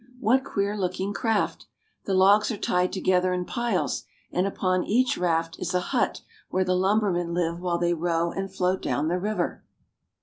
What queer looking craft! The logs are tied to gether in piles, and upon each raft is a hut where the lumbermen live while they row and float down the river.